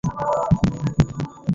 স্তম্ভের আবেগ নেই, তাই না?